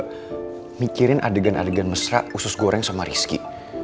kita mikirin adegan adegan mesra usus goreng sama rizky